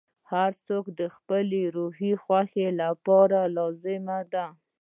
• هر څوک د خپل روحي خوښۍ لپاره لازمه ده.